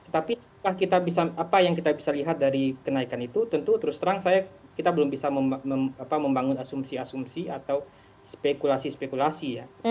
tapi apa yang kita bisa lihat dari kenaikan itu tentu terus terang saya kita belum bisa membangun asumsi asumsi atau spekulasi spekulasi ya